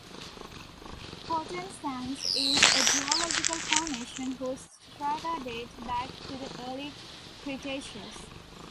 Potton Sands is a geological formation whose strata date back to the Early Cretaceous.